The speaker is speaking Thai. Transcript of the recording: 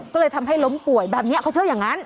ก็เลยทำให้ล้มป่วยแบบนี้เขาเชื่ออย่างนั้น